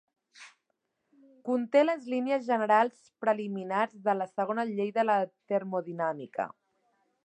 Conté les línies generals preliminars de la segona llei de la termodinàmica.